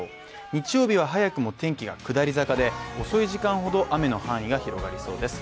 日曜日は早くも天気が下り坂で、遅い時間ほど雨の範囲が広がりそうです。